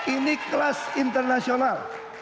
ini kelas internasional